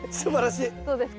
どうですか？